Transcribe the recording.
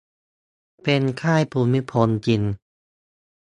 เป็น "ค่ายภูมิพล" จริง